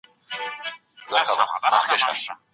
حجره بې چایو نه وي.